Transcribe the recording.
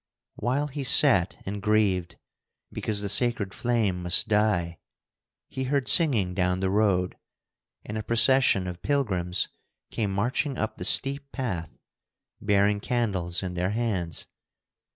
While he sat and grieved because the sacred flame must die, he heard singing down the road, and a procession of pilgrims came marching up the steep path, bearing candles in their hands.